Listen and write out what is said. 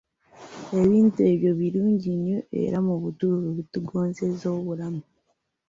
Ebintu ebyo birungi nnyo era mu butuufu bitungozeza obulamu.